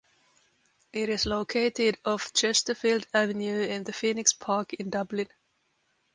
It is located off Chesterfield Avenue in the Phoenix Park in Dublin.